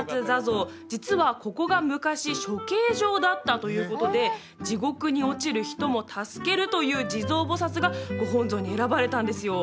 実はここが昔処刑場だったということで地獄に落ちる人も助けるという地蔵菩薩がご本尊に選ばれたんですよ